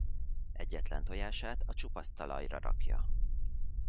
Egyetlen tojását a csupasz talajra rakja.